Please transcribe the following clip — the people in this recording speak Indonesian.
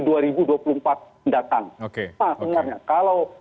datang nah sebenarnya kalau